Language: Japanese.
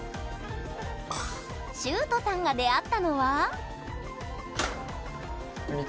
しゅーとさんが出会ったのは？